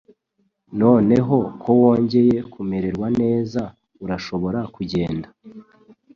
Noneho ko wongeye kumererwa neza, urashobora kugenda.